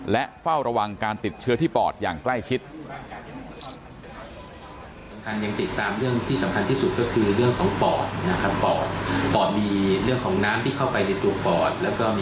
และเฝ้าระวังการติดเชื้อที่ปอดอย่างใกล้ชิด